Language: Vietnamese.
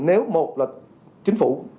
nếu một là chính phủ